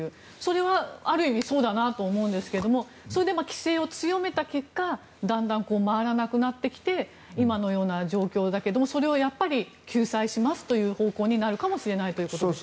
それはある意味そうだなと思うんですがそれで規制を強めた結果だんだん回らなくなってきて今のような状況だけどそれを救済しますという方向になるかもしれないということですか。